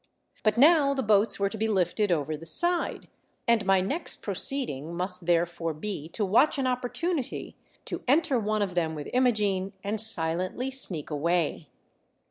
But now the boats were to be lifted over the side, and my next proceeding must there fore be to watch an opportunity to enter one of them with Imogene and silently sneak av/ay.